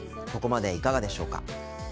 ここまでいかがでしょうか？